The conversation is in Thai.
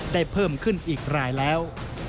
เพิ่มขึ้นอีกรายแล้ว